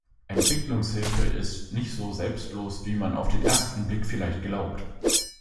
Entwicklungshilfe ist nicht so selbstlos, wie man auf den ersten Blick vielleicht glaubt.